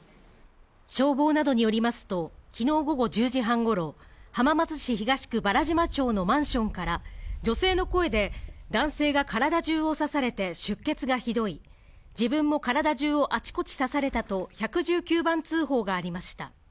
消防などによりますと、きのう午後１０時半ごろ、浜松市東区原島町のマンションから女性の声で、男性が体中を刺されて出血がひどい、自分も体中をあちこち刺されたと１１９番通報がありました。